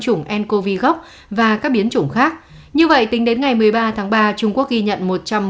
chủng ncov gốc và các biến chủng khác như vậy tính đến ngày một mươi ba tháng ba trung quốc ghi nhận